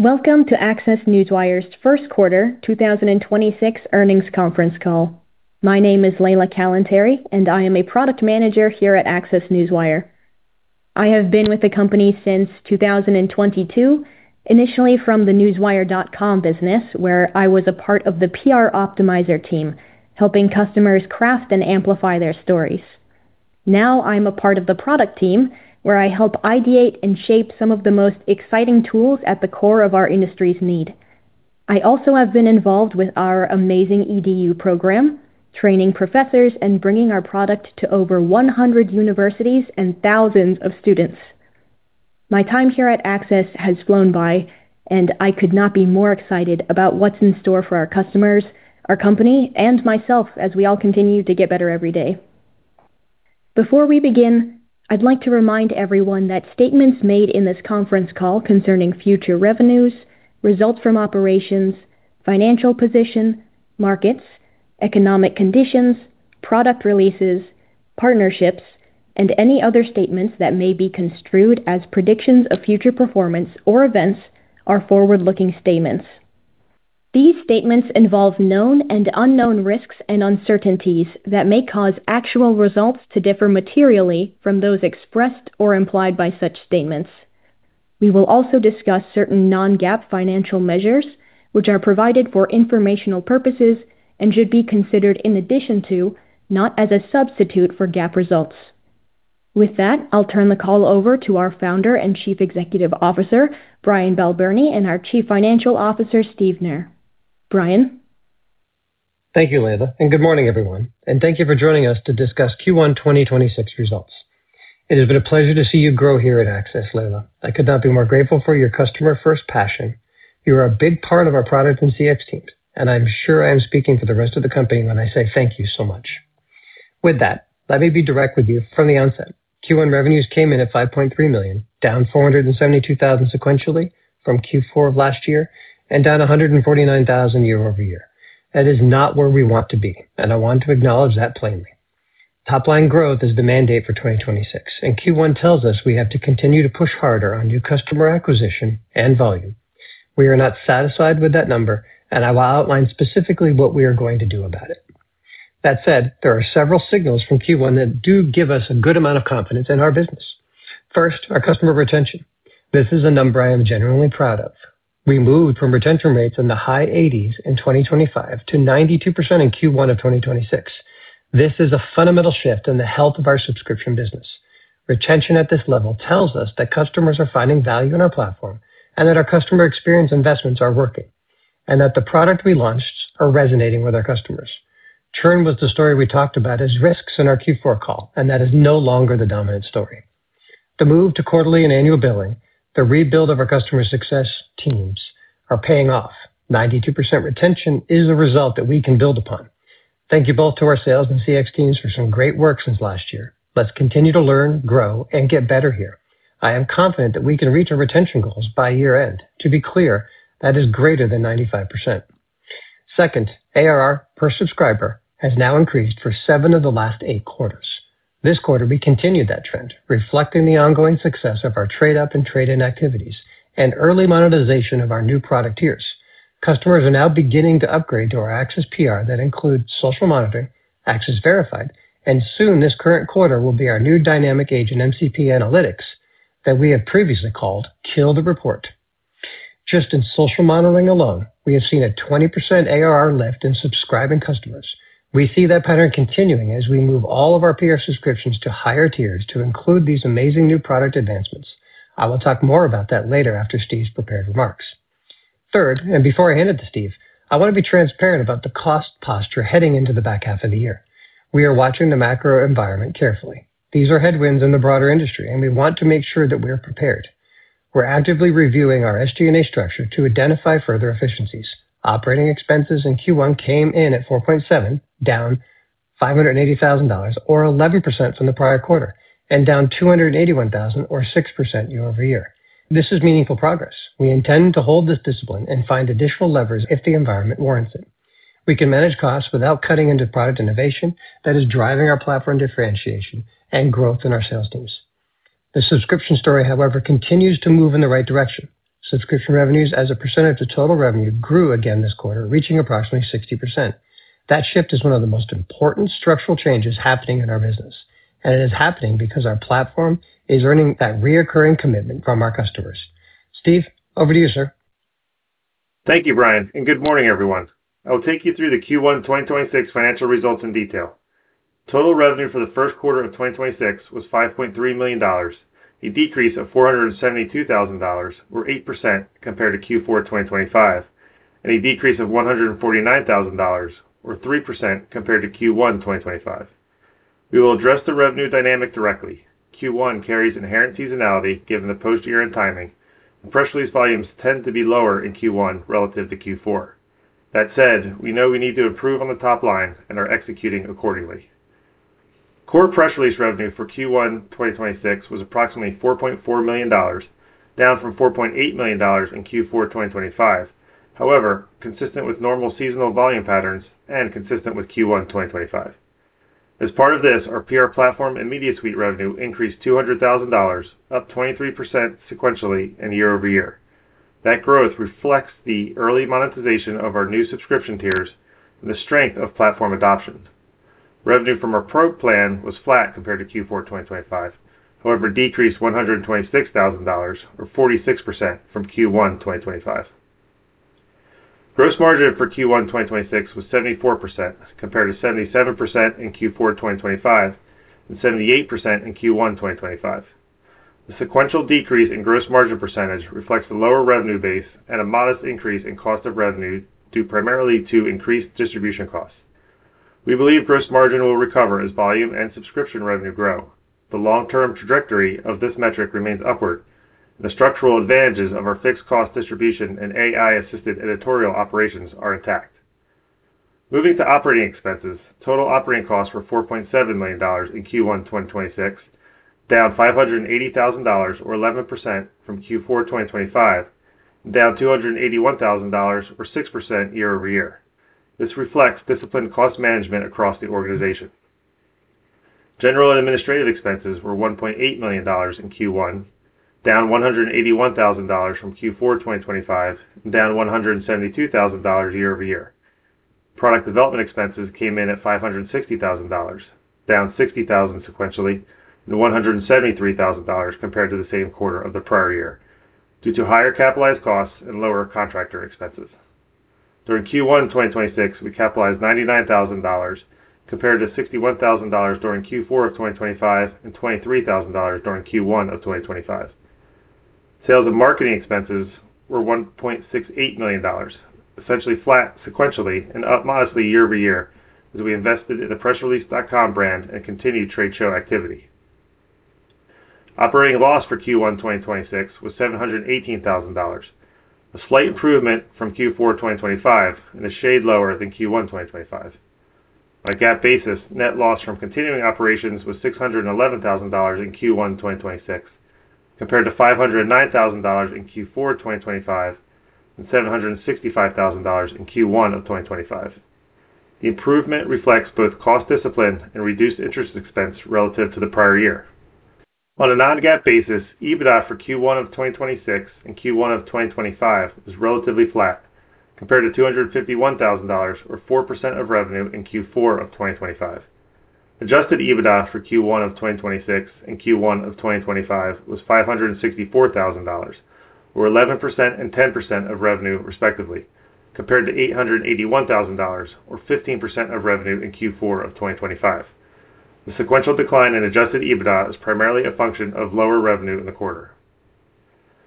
Welcome to ACCESS Newswire's first quarter 2026 earnings conference call. My name is Layla Kalantari, and I am a product manager here at ACCESS Newswire. I have been with the company since 2022, initially from the newswire.com business, where I was a part of the PR Optimizer team, helping customers craft and amplify their stories. Now I'm a part of the product team, where I help ideate and shape some of the most exciting tools at the core of our industry's need. I also have been involved with our amazing Access EDU program, training professors and bringing our product to over 100 universities and thousands of students. My time here at ACCESS has flown by, and I could not be more excited about what's in store for our customers, our company, and myself as we all continue to get better every day. Before we begin, I'd like to remind everyone that statements made in this conference call concerning future revenues, results from operations, financial position, markets, economic conditions, product releases, partnerships, and any other statements that may be construed as predictions of future performance or events are forward-looking statements. These statements involve known and unknown risks and uncertainties that may cause actual results to differ materially from those expressed or implied by such statements. We will also discuss certain non-GAAP financial measures, which are provided for informational purposes and should be considered in addition to, not as a substitute for GAAP results. With that, I'll turn the call over to our Founder and Chief Executive Officer, Brian Balbirnie, and our Chief Financial Officer, Steve Knerr. Brian. Thank you, Layla. Good morning, everyone. Thank you for joining us to discuss Q1 2026 results. It has been a pleasure to see you grow here at ACCESS, Layla. I could not be more grateful for your customer-first passion. You're a big part of our product and CX teams, and I'm sure I am speaking for the rest of the company when I say thank you so much. With that, let me be direct with you from the onset. Q1 revenues came in at $5.3 million, down $472,000 sequentially from Q4 of last year and down $149,000 year-over-year. That is not where we want to be, and I want to acknowledge that plainly. Topline growth is the mandate for 2026, and Q1 tells us we have to continue to push harder on new customer acquisition and volume. We are not satisfied with that number, and I will outline specifically what we are going to do about it. That said, there are several signals from Q1 that do give us a good amount of confidence in our business. First, our customer retention. This is a number I am genuinely proud of. We moved from retention rates in the high 80s in 2025 to 92% in Q1 of 2026. This is a fundamental shift in the health of our subscription business. Retention at this level tells us that customers are finding value in our platform and that our customer experience investments are working, and that the product we launched are resonating with our customers. Churn was the story we talked about as risks in our Q4 call, and that is no longer the dominant story. The move to quarterly and annual billing, the rebuild of our customer success teams are paying off. 92% retention is a result that we can build upon. Thank you both to our sales and CX teams for some great work since last year. Let's continue to learn, grow, and get better here. I am confident that we can reach our retention goals by year-end. To be clear, that is greater than 95%. Second, ARR per subscriber has now increased for 7 of the last 8 quarters. This quarter, we continued that trend, reflecting the ongoing success of our trade-up and trade-in activities and early monetization of our new product tiers. Customers are now beginning to upgrade to our ACCESS PR that includes social monitoring, ACCESS Verified, and soon this current quarter will be our new dynamic agent MCP analytics that we have previously called Kill the Report. Just in social monitoring alone, we have seen a 20% ARR lift in subscribing customers. We see that pattern continuing as we move all of our PR subscriptions to higher tiers to include these amazing new product advancements. I will talk more about that later after Steve's prepared remarks. Third, before I hand it to Steve, I want to be transparent about the cost posture heading into the back half of the year. We are watching the macro environment carefully. These are headwinds in the broader industry, and we want to make sure that we're prepared. We're actively reviewing our SG&A structure to identify further efficiencies. Operating expenses in Q1 came in at $4.7, down $580,000 or 11% from the prior quarter and down $281,000 or 6% year-over-year. This is meaningful progress. We intend to hold this discipline and find additional levers if the environment warrants it. We can manage costs without cutting into product innovation that is driving our platform differentiation and growth in our sales teams. The subscription story, however, continues to move in the right direction. Subscription revenues as a percentage of total revenue grew again this quarter, reaching approximately 60%. That shift is one of the most important structural changes happening in our business, and it is happening because our platform is earning that reoccurring commitment from our customers. Steve, over to you, sir. Thank you, Brian, and good morning, everyone. I will take you through the Q1 2026 financial results in detail. Total revenue for the first quarter of 2026 was $5.3 million, a decrease of $472,000 or 8% compared to Q4 2025 and a decrease of $149,000 or 3% compared to Q1 2025. We will address the revenue dynamic directly. Q1 carries inherent seasonality given the post-year-end timing, and press release volumes tend to be lower in Q1 relative to Q4. That said, we know we need to improve on the top line and are executing accordingly. Core press release revenue for Q1 2026 was approximately $4.4 million, down from $4.8 million in Q4 2025. However, consistent with normal seasonal volume patterns and consistent with Q1 2025. As part of this, our PR platform and media suite revenue increased $200,000, up 23% sequentially and year-over-year. That growth reflects the early monetization of our new subscription tiers and the strength of platform adoptions. Revenue from our PRO plan was flat compared to Q4 2025, however, decreased $126,000, or 46% from Q1 2025. Gross margin for Q1 2026 was 74% compared to 77% in Q4 2025 and 78% in Q1 2025. The sequential decrease in gross margin percentage reflects the lower revenue base and a modest increase in cost of revenue due primarily to increased distribution costs. We believe gross margin will recover as volume and subscription revenue grow. The long-term trajectory of this metric remains upward, and the structural advantages of our fixed cost distribution and AI-assisted editorial operations are intact. Moving to operating expenses, total operating costs were $4.7 million in Q1 2026, down $580,000, or 11% from Q4 2025, and down $281,000, or 6% year-over-year. This reflects disciplined cost management across the organization. General and administrative expenses were $1.8 million in Q1, down $181,000 from Q4 2025, and down $172,000 year-over-year. Product development expenses came in at $560,000, down $60,000 sequentially, and $173,000 compared to the same quarter of the prior year due to higher capitalized costs and lower contractor expenses. During Q1 2026, we capitalized $99,000 compared to $61,000 during Q4 of 2025 and $23,000 during Q1 of 2025. Sales and marketing expenses were $1.68 million, essentially flat sequentially and up modestly year-over-year as we invested in the PressRelease.com brand and continued trade show activity. Operating loss for Q1 2026 was $718,000, a slight improvement from Q4 2025, and a shade lower than Q1 2025. On a GAAP basis, net loss from continuing operations was $611,000 in Q1 2026, compared to $509,000 in Q4 2025 and $765,000 in Q1 of 2025. The improvement reflects both cost discipline and reduced interest expense relative to the prior year. On a non-GAAP basis, EBITDA for Q1 of 2026 and Q1 of 2025 was relatively flat compared to $251,000, or 4% of revenue in Q4 of 2025. Adjusted EBITDA for Q1 of 2026 and Q1 of 2025 was $564,000, or 11% and 10% of revenue, respectively, compared to $881,000, or 15% of revenue in Q4 of 2025. The sequential decline in adjusted EBITDA is primarily a function of lower revenue in the quarter.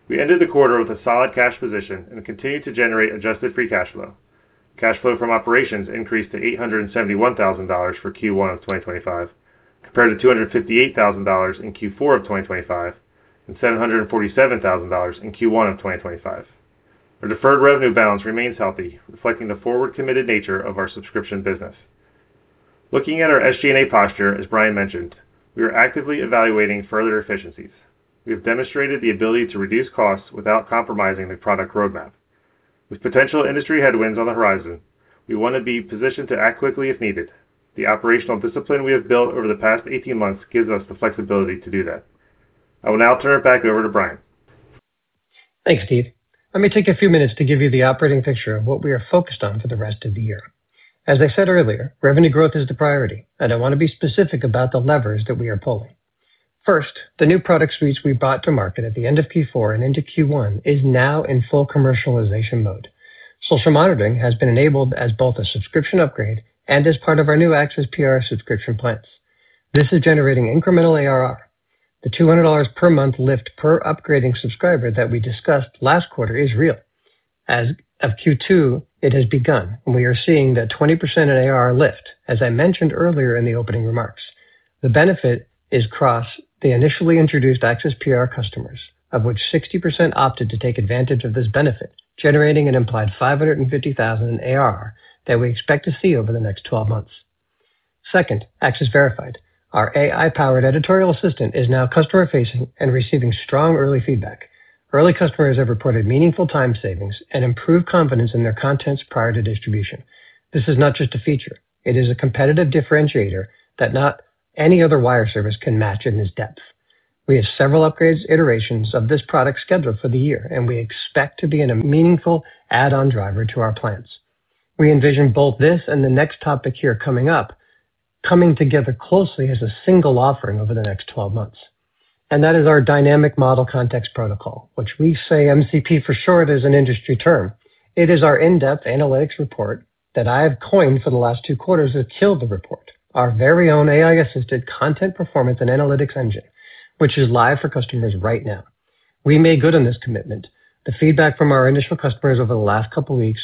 We ended the quarter with a solid cash position and continued to generate adjusted free cash flow. Cash flow from operations increased to $871,000 for Q1 of 2025, compared to $258,000 in Q4 of 2025 and $747,000 in Q1 of 2025. Our deferred revenue balance remains healthy, reflecting the forward-committed nature of our subscription business. Looking at our SG&A posture, as Brian mentioned, we are actively evaluating further efficiencies. We have demonstrated the ability to reduce costs without compromising the product roadmap. With potential industry headwinds on the horizon, we want to be positioned to act quickly if needed. The operational discipline we have built over the past 18 months gives us the flexibility to do that. I will now turn it back over to Brian. Thanks, Steve. Let me take a few minutes to give you the operating picture of what we are focused on for the rest of the year. As I said earlier, revenue growth is the priority, and I want to be specific about the levers that we are pulling. First, the new product suites we brought to market at the end of Q4 and into Q1 is now in full commercialization mode. Social monitoring has been enabled as both a subscription upgrade and as part of our new ACCESS PR subscription plans. This is generating incremental ARR. The $200 per month lift per upgrading subscriber that we discussed last quarter is real. As of Q2, it has begun, and we are seeing that 20% in ARR lift, as I mentioned earlier in the opening remarks. The benefit is across the initially introduced ACCESS PR customers, of which 60% opted to take advantage of this benefit, generating an implied $550,000 in ARR that we expect to see over the next 12 months. Second, ACCESS Verified. Our AI-powered editorial assistant is now customer-facing and receiving strong early feedback. Early customers have reported meaningful time savings and improved confidence in their contents prior to distribution. This is not just a feature. It is a competitive differentiator that not any other wire service can match in its depth. We have several upgrades, iterations of this product scheduled for the year, and we expect to be in a meaningful add-on driver to our plans. We envision both this and the next topic here coming up, coming together closely as a single offering over the next 12 months. That is our dynamic Model Context Protocol, which we say MCP for short as an industry term. It is our in-depth analytics report that I have coined for the last two quarters as #killthereport, our very own AI-assisted content performance and analytics engine, which is live for customers right now. We made good on this commitment. The feedback from our initial customers over the last couple weeks,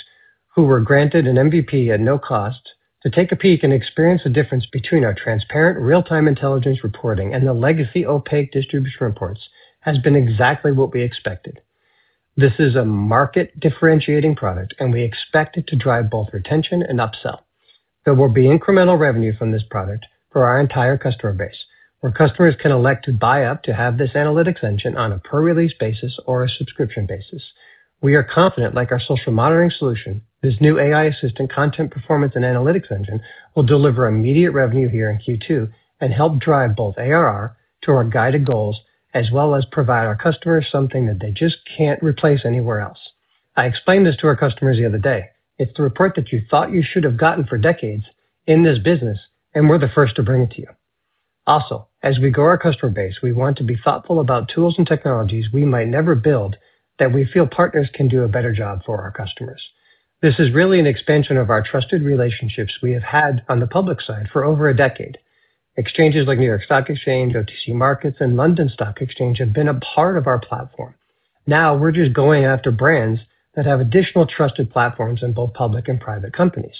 who were granted an MVP at no cost to take a peek and experience the difference between our transparent real-time intelligence reporting and the legacy opaque distribution reports, has been exactly what we expected. This is a market-differentiating product, and we expect it to drive both retention and upsell. There will be incremental revenue from this product for our entire customer base, where customers can elect to buy up to have this analytics engine on a per-release basis or a subscription basis. We are confident, like our social monitoring solution, this new AI assistant content performance and analytics engine will deliver immediate revenue here in Q2 and help drive both ARR to our guided goals as well as provide our customers something that they just can't replace anywhere else. I explained this to our customers the other day. It's the report that you thought you should have gotten for decades in this business, and we're the first to bring it to you. As we grow our customer base, we want to be thoughtful about tools and technologies we might never build that we feel partners can do a better job for our customers. This is really an expansion of our trusted relationships we have had on the public side for over a decade. Exchanges like New York Stock Exchange, OTC Markets, and London Stock Exchange have been a part of our platform. Now we're just going after brands that have additional trusted platforms in both public and private companies.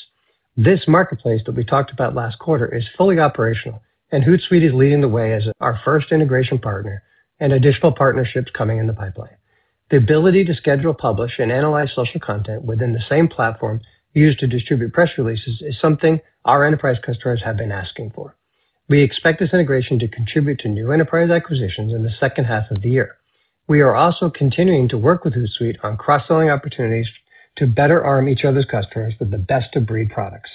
This marketplace that we talked about last quarter is fully operational, and Hootsuite is leading the way as our first integration partner and additional partnerships coming in the pipeline. The ability to schedule, publish, and analyze social content within the same platform used to distribute press releases is something our enterprise customers have been asking for. We expect this integration to contribute to new enterprise acquisitions in the second half of the year. We are also continuing to work with Hootsuite on cross-selling opportunities to better arm each other's customers with the best-of-breed products.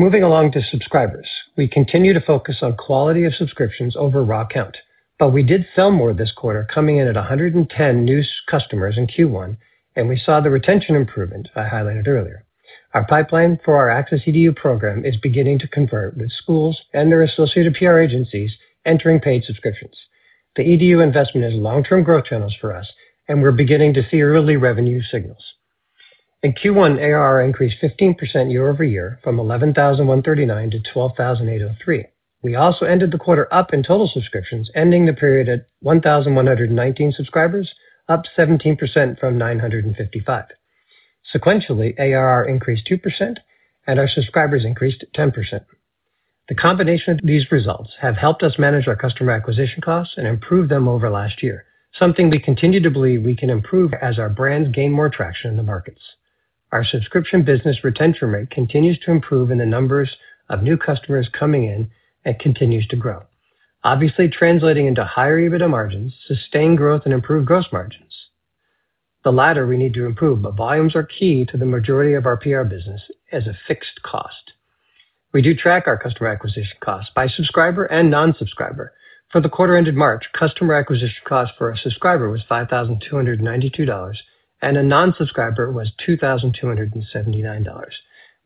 Moving along to subscribers. We did sell more this quarter, coming in at 110 new customers in Q1, and we saw the retention improvement I highlighted earlier. Our pipeline for our ACCESS EDU program is beginning to convert, with schools and their associated PR agencies entering paid subscriptions. The EDU investment is long-term growth channels for us, and we're beginning to see early revenue signals. In Q1, ARR increased 15% year-over-year from $11,139 to $12,803. We also ended the quarter up in total subscriptions, ending the period at 1,119 subscribers, up 17% from 955. Sequentially, ARR increased 2% and our subscribers increased 10%. The combination of these results have helped us manage our customer acquisition costs and improve them over last year, something we continue to believe we can improve as our brands gain more traction in the markets. Our subscription business retention rate continues to improve in the numbers of new customers coming in and continues to grow, obviously translating into higher EBITDA margins, sustained growth, and improved gross margins. The latter we need to improve, but volumes are key to the majority of our PR business as a fixed cost. We do track our customer acquisition costs by subscriber and non-subscriber. For the quarter ended March, customer acquisition cost per subscriber was $5,292, and a non-subscriber was $2,279.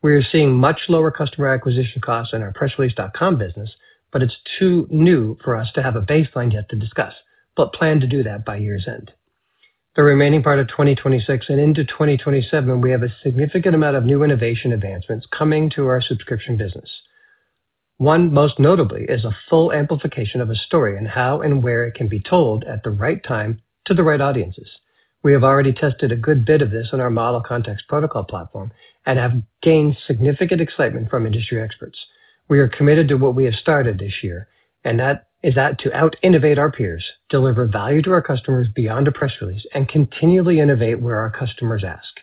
We are seeing much lower customer acquisition costs in our PressRelease.com business, but it's too new for us to have a baseline yet to discuss, but plan to do that by year's end. The remaining part of 2026 and into 2027, we have a significant amount of new innovation advancements coming to our subscription business. One most notably is a full amplification of a story and how and where it can be told at the right time to the right audiences. We have already tested a good bit of this on our Model Context Protocol platform and have gained significant excitement from industry experts. We are committed to what we have started this year, and that is that to out-innovate our peers, deliver value to our customers beyond a press release, and continually innovate where our customers ask.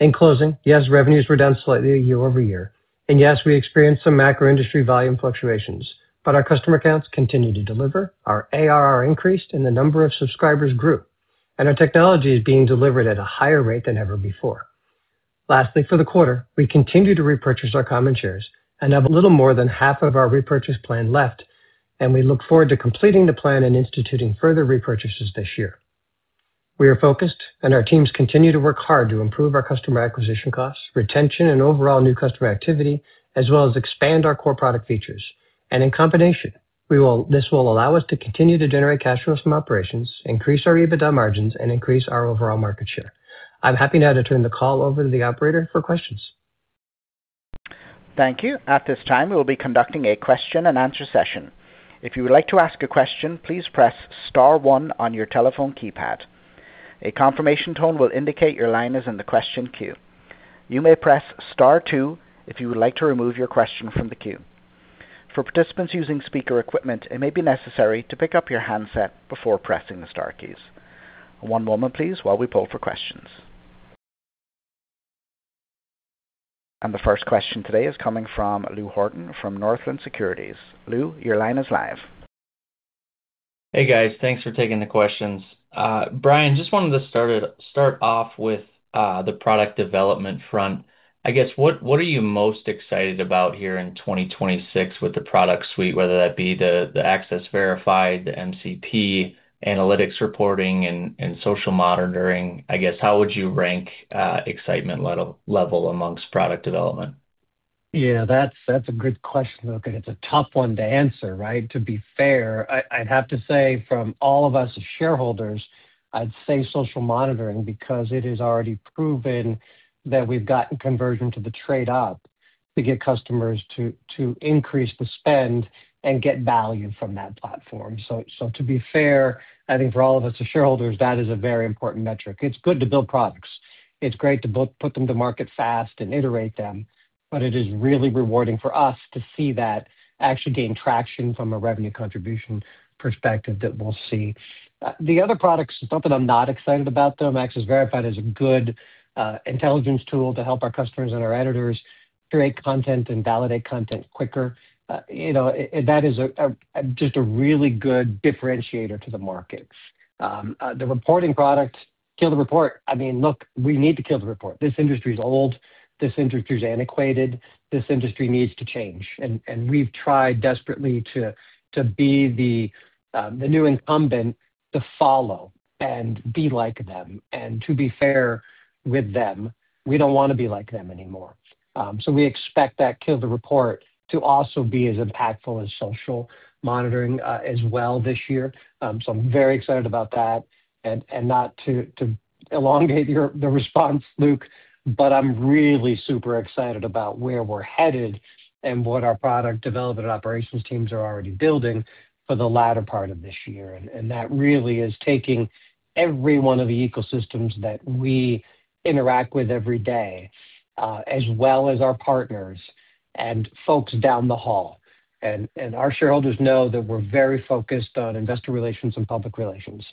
In closing, yes, revenues were down slightly year-over-year. Yes, we experienced some macro industry volume fluctuations, but our customer counts continue to deliver, our ARR increased, and the number of subscribers grew, and our technology is being delivered at a higher rate than ever before. Lastly, for the quarter, we continue to repurchase our common shares and have a little more than half of our repurchase plan left, and we look forward to completing the plan and instituting further repurchases this year. We are focused, our teams continue to work hard to improve our customer acquisition costs, retention, and overall new customer activity, as well as expand our core product features. In combination, this will allow us to continue to generate cash flows from operations, increase our EBITDA margins, and increase our overall market share. I'm happy now to turn the call over to the operator for questions. Thank you. At this time, we will be conducting a question-and-answer session. If you would like to ask a question, please press star one on your telephone keypad. A confirmation tone will indicate your line is in the question queue. You may press star two if you would like to remove your question from the queue. For participants using speaker equipment, it may be necessary to pick up your handset before pressing the star keys. One moment, please, while we poll for questions. The first question today is coming from Lou Horton from Northland Capital Markets. Lou, your line is live. Hey, guys. Thanks for taking the questions. Brian Balbirnie, just wanted to start off with the product development front. I guess, what are you most excited about here in 2026 with the product suite, whether that be the ACCESS Verified, the MCP analytics reporting and social monitoring? I guess, how would you rank excitement level amongst product development? Yeah, that's a good question. Look, it's a tough one to answer, right? To be fair, I'd have to say from all of us as shareholders, I'd say social monitoring because it is already proven that we've gotten conversion to the trade up to get customers to increase the spend and get value from that platform. To be fair, I think for all of us as shareholders, that is a very important metric. It's good to build products. It's great to put them to market fast and iterate them, but it is really rewarding for us to see that actually gain traction from a revenue contribution perspective that we'll see. The other products, it's not that I'm not excited about them. ACCESS Verified is a good intelligence tool to help our customers and our editors curate content and validate content quicker. You know, it, that is a just a really good differentiator to the markets. The reporting product, Kill the Report, I mean, look, we need to kill the report. This industry is old. This industry is antiquated. This industry needs to change. We've tried desperately to be the new incumbent to follow and be like them. To be fair with them, we don't wanna be like them anymore. We expect that #killthereport to also be as impactful as social monitoring as well this year. I'm very excited about that. Not to elongate your response, Luke, but I'm really super excited about where we're headed and what our product development operations teams are already building for the latter part of this year. That really is taking every one of the ecosystems that we interact with every day, as well as our partners and folks down the hall. Our shareholders know that we're very focused on investor relations and public relations.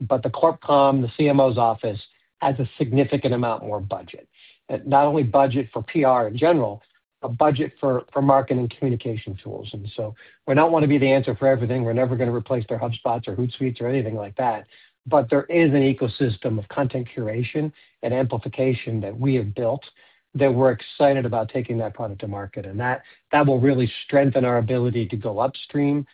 The corp comm, the CMO's office adds a significant amount more budget. Not only budget for PR in general, a budget for marketing communication tools. We're not wanna be the answer for everything. We're never gonna replace their HubSpots or Hootsuits or anything like that. There is an ecosystem of content curation and amplification that we have built that we're excited about taking that product to market. That will really strengthen our ability to go upstream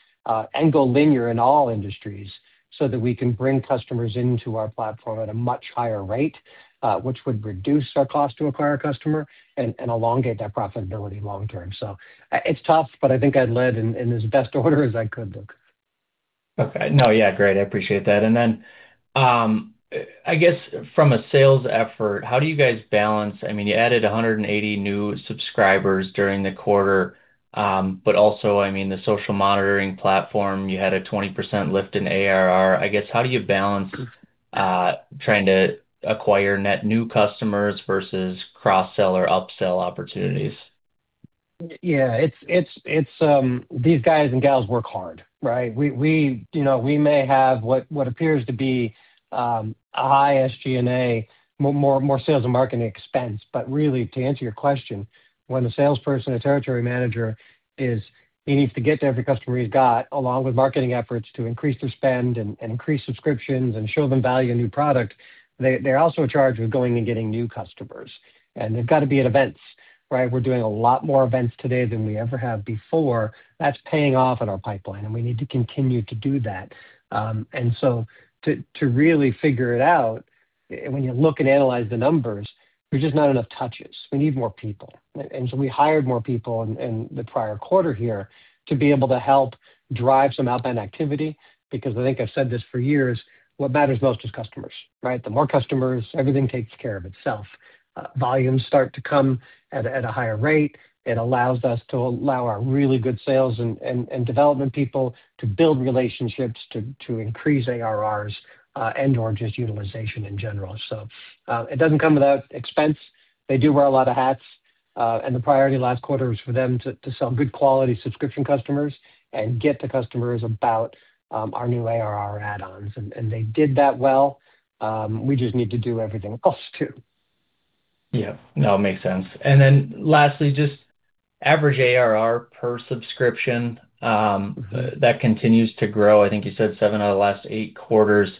and go linear in all industries so that we can bring customers into our platform at a much higher rate, which would reduce our cost to acquire a customer and elongate that profitability long term. It's tough, but I think I led in as best order as I could, Luke. Okay. No, yeah, great. I appreciate that. I guess from a sales effort, how do you guys balance, I mean, you added 180 new subscribers during the quarter, I mean, the social monitoring platform, you had a 20% lift in ARR. I guess, how do you balance trying to acquire net new customers versus cross-sell or up-sell opportunities? Yeah. It's, these guys and gals work hard, right? We, you know, we may have what appears to be a high SG&A, more sales and marketing expense. Really, to answer your question, when the salesperson or territory manager he needs to get to every customer he's got, along with marketing efforts to increase their spend and increase subscriptions and show them value in new product. They're also charged with going and getting new customers, they've got to be at events, right? We're doing a lot more events today than we ever have before. That's paying off in our pipeline, we need to continue to do that. To really figure it out, when you look and analyze the numbers, there's just not enough touches. We need more people. So we hired more people in the prior quarter here to be able to help drive some outbound activity because I think I've said this for years, what matters most is customers, right. The more customers, everything takes care of itself. Volumes start to come at a higher rate. It allows us to allow our really good sales and development people to build relationships to increase ARRs and/or just utilization in general. It doesn't come without expense. They do wear a lot of hats. The priority last quarter was for them to sell good quality subscription customers and get the customers about our new ARR add-ons. They did that well. We just need to do everything else too. Yeah. No, it makes sense. Then lastly, just average ARR per subscription, that continues to grow. I think you said 7 out of the last 8 quarters.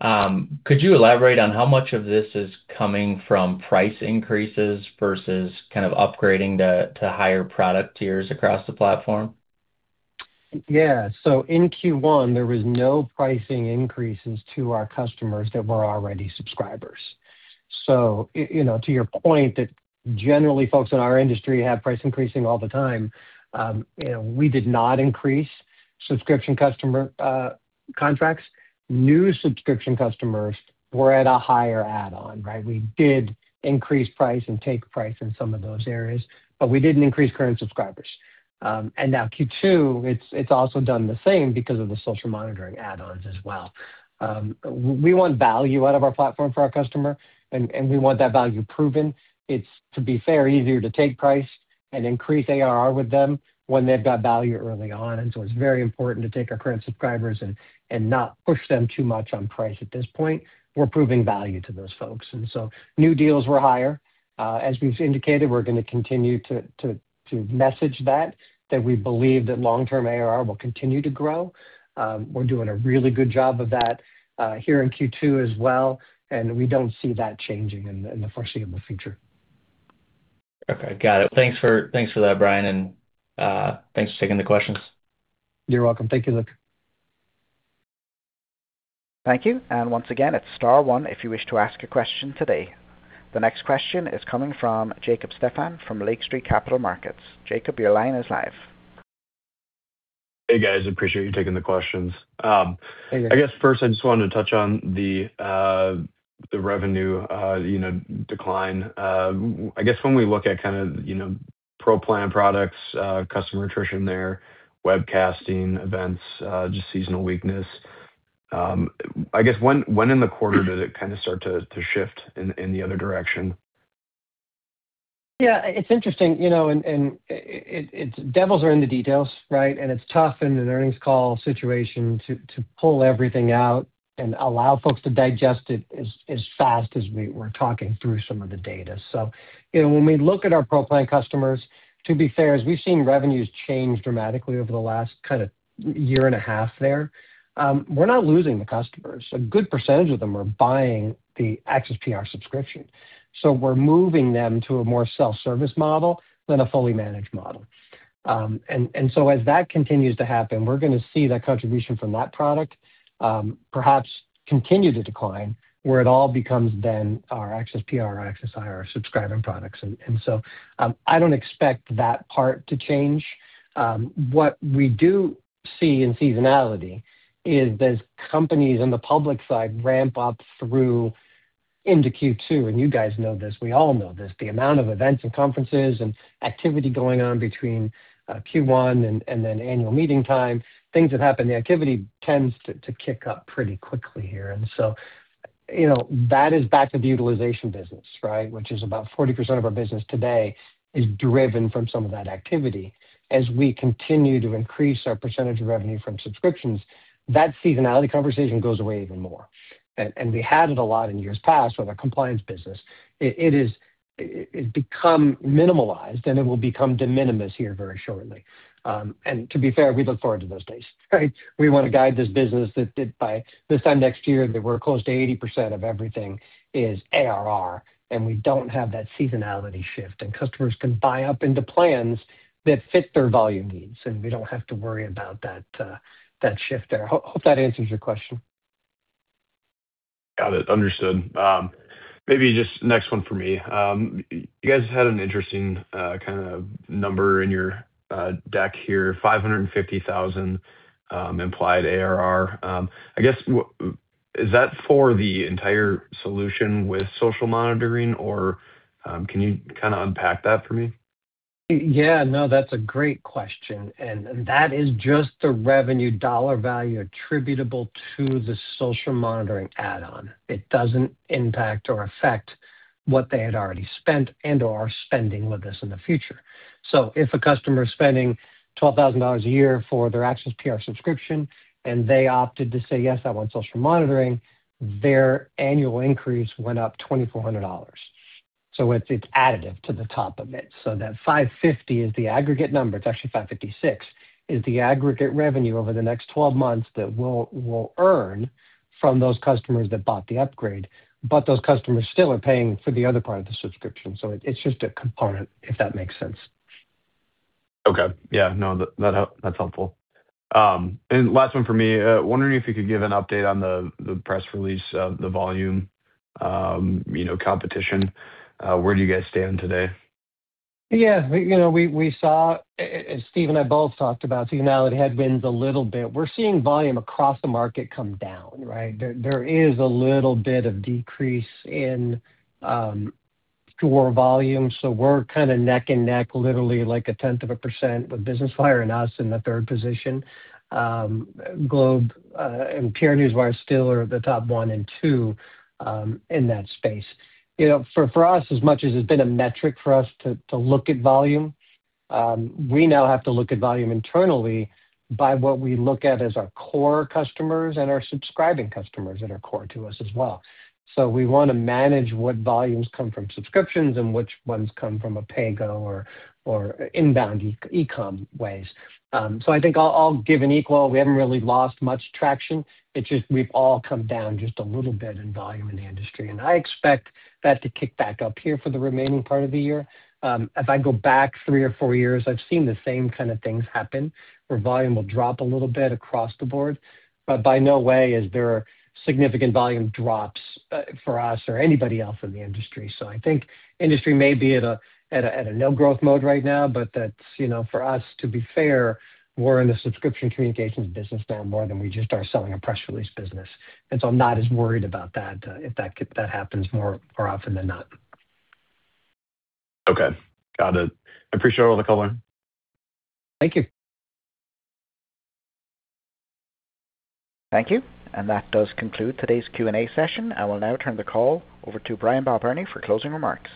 Could you elaborate on how much of this is coming from price increases versus kind of upgrading to higher product tiers across the platform? In Q1, there was no pricing increases to our customers that were already subscribers. To your point that generally folks in our industry have price increasing all the time, you know, we did not increase subscription customer contracts. New subscription customers were at a higher add-on, right? We did increase price and take price in some of those areas, but we didn't increase current subscribers. Now Q2, it's also done the same because of the social monitoring add-ons as well. We want value out of our platform for our customer, and we want that value proven. It's, to be fair, easier to take price and increase ARR with them when they've got value early on. It's very important to take our current subscribers and not push them too much on price at this point. We're proving value to those folks. New deals were higher. As we've indicated, we're gonna continue to message that we believe that long-term ARR will continue to grow. We're doing a really good job of that here in Q2 as well. We don't see that changing in the foreseeable future. Okay. Got it. Thanks for that, Brian. Thanks for taking the questions. You're welcome. Thank you, Luke. Thank you. Once again, it's star one if you wish to ask a question today. The next question is coming from Jacob Stephan from Lake Street Capital Markets. Jacob, your line is live. Hey, guys. I appreciate you taking the questions. Hey, Jacob. I guess first I just wanted to touch on the revenue, you know, decline. I guess when we look at kind of, you know, PRO plan products, customer attrition there, webcasting events, just seasonal weakness. I guess when in the quarter did it kind of start to shift in the other direction? Yeah, it's interesting, you know, devils are in the details, right? It's tough in an earnings call situation to pull everything out and allow folks to digest it as fast as we were talking through some of the data. You know, when we look at our PRO plan customers, to be fair, as we've seen revenues change dramatically over the last kind of year and a half there, we're not losing the customers. A good percentage of them are buying the ACCESS PR subscription. We're moving them to a more self-service model than a fully managed model. As that continues to happen, we're going to see the contribution from that product, perhaps continue to decline, where it all becomes then our ACCESS PR or ACCESS IR subscribing products. I don't expect that part to change. What we do see in seasonality is as companies on the public side ramp up through into Q2, and you guys know this, we all know this, the amount of events and conferences and activity going on between Q1 and then annual meeting time, things that happen, the activity tends to kick up pretty quickly here. You know, that is back to the utilization business, right? Which is about 40% of our business today is driven from some of that activity. As we continue to increase our percentage of revenue from subscriptions, that seasonality conversation goes away even more. We had it a lot in years past with our compliance business. It become minimalized, and it will become de minimis here very shortly. To be fair, we look forward to those days, right? We wanna guide this business that by this time next year, that we're close to 80% of everything is ARR, and we don't have that seasonality shift. Customers can buy up into plans that fit their volume needs, and we don't have to worry about that shift there. Hope that answers your question. Got it. Understood. Maybe just next one for me. You guys had an interesting, kind of number in your deck here, $550,000 implied ARR. I guess, Is that for the entire solution with social monitoring? Or, can you kind of unpack that for me? No, that's a great question. That is just the revenue dollar value attributable to the social monitoring add-on. It doesn't impact or affect what they had already spent and/or are spending with us in the future. If a customer is spending $12,000 a year for their ACCESS PR subscription and they opted to say, "Yes, I want social monitoring," their annual increase went up $2,400. It's additive to the top of it. That $550 is the aggregate number, it's actually $556, is the aggregate revenue over the next 12 months that we'll earn from those customers that bought the upgrade. Those customers still are paying for the other part of the subscription. It's just a component, if that makes sense. Okay. Yeah. No, that help. That's helpful. Last one for me. I'm wondering if you could give an update on the press release volume, you know, competition. Where do you guys stand today? Yeah. You know, we saw, as Steve and I both talked about, seasonality headwinds a little bit. We're seeing volume across the market come down, right? There is a little bit of decrease in core volume, so we're kinda neck and neck, literally like 0.1%, with Business Wire and us in the 3rd position. GlobeNewswire and PR Newswire still are the top 1 and 2 in that space. You know, for us, as much as it's been a metric for us to look at volume, we now have to look at volume internally by what we look at as our core customers and our subscribing customers that are core to us as well. We wanna manage what volumes come from subscriptions and which ones come from a pay go or inbound e-com ways. I think all given equal, we haven't really lost much traction. It just we've all come down just a little bit in volume in the industry. I expect that to kick back up here for the remaining part of the year. If I go back three or four years, I've seen the same kind of things happen, where volume will drop a little bit across the board. By no way is there significant volume drops for us or anybody else in the industry. I think industry may be at a, at a, at a no-growth mode right now, that's, you know, for us, to be fair, we're in the subscription communications business now more than we just are selling a press release business. I'm not as worried about that, if that happens more often than not. Okay. Got it. I appreciate all the color. Thank you. Thank you. That does conclude today's Q&A session. I will now turn the call over to Brian Balbirnie for closing remarks.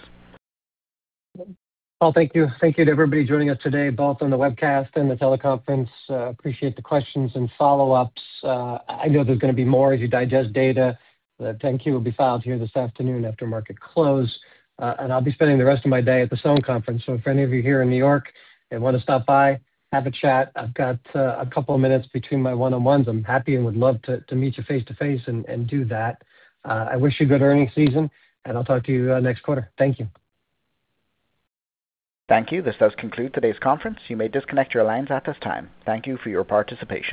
Well, thank you. Thank you to everybody joining us today, both on the webcast and the teleconference. Appreciate the questions and follow-ups. I know there's gonna be more as you digest data. The 10-Q will be filed here this afternoon after market close. I'll be spending the rest of my day at the Stone Conference. If any of you here in New York and wanna stop by, have a chat, I've got a couple of minutes between my one-on-ones. I'm happy and would love to meet you face-to-face and do that. I wish you a good earning season, I'll talk to you next quarter. Thank you. Thank you. This does conclude today's conference. You may disconnect your lines at this time. Thank you for your participation.